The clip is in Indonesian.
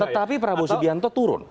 tetapi prabowo subianto turun